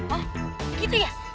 oh gitu ya